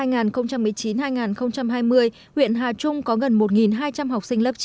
năm học hai nghìn một mươi chín hai nghìn hai mươi huyện hà trung có gần một hai trăm linh học sinh lớp chín